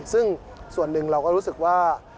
ซึ่งส่วนหนึ่งเราก็รู้สึกว่า